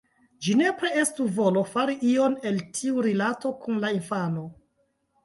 Ĝi nepre estu volo fari ion el tiu rilato kun la infano.